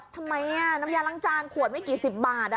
ทำไมอ่ะน้ำยาลังจานขวดไม่กี่สิบบาทอ่ะ